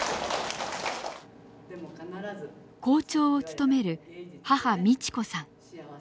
校長を務める母美智子さん。